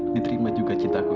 diterima juga cintaku